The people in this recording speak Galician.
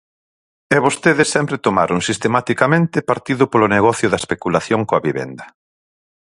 E vostedes sempre tomaron, sistematicamente, partido polo negocio da especulación coa vivenda.